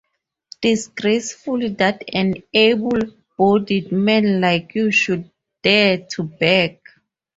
Disgraceful that an able-bodied man like you should dare to beg.